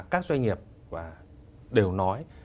các doanh nghiệp đều nói